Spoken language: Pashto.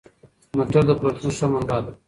مټر د پروتین ښه منبع ده.